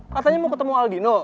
katanya mau ketemu algino